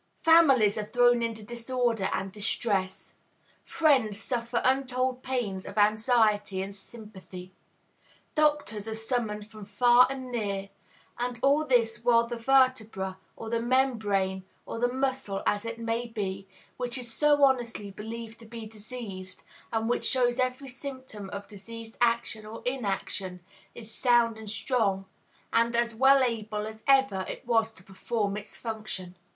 Families are thrown into disorder and distress; friends suffer untold pains of anxiety and sympathy; doctors are summoned from far and near; and all this while the vertebra, or the membrane, or the muscle, as it may be, which is so honestly believed to be diseased, and which shows every symptom of diseased action or inaction, is sound and strong, and as well able as ever it was to perform its function.